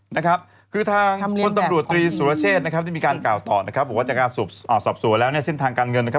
แต่มันไม่มีการเจียนเย็นกลับ